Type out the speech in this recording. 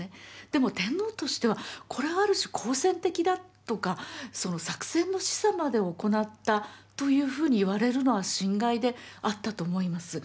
でも天皇としてはこれはある種好戦的だとかその作戦の示唆までを行ったというふうに言われるのは心外であったと思います。